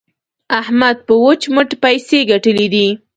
احمد په وچ مټ پيسې ګټلې دي.